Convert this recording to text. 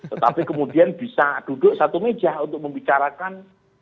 tetapi kemudian bisa duduk satu meja untuk membicarakan